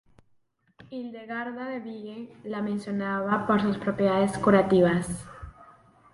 Hildegarda de Bingen la mencionaba por sus propiedades curativas.